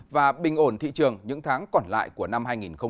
và bình ổn thị trường những tháng còn lại của năm hai nghìn một mươi chín